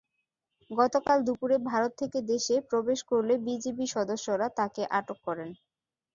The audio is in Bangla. গতকাল দুপুরে ভারত থেকে দেশে প্রবেশ করলে বিজিবি সদস্যরা তাঁদের আটক করেন।